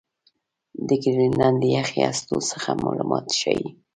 د ګرینلنډ له یخي هستو څخه معلومات ښيي.